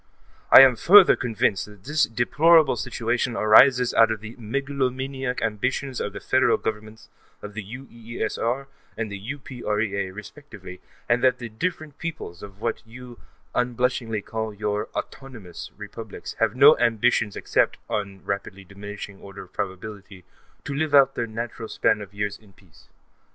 I am further convinced that this deplorable situation arises out of the megalomaniac ambitions of the Federal Governments of the UEESR and the UPREA, respectively, and that the different peoples of what you unblushingly call your "autonomous" republics have no ambitions except, on a rapidly diminishing order of probability, to live out their natural span of years in peace.